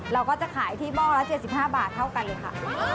เราก็จะขายที่หม้อละ๗๕บาทเท่ากันเลยค่ะ